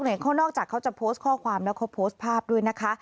เขานอกจากเขาจะโพสต์ข้อความแล้วเขาโพสต์ภาพด้วยนะคะ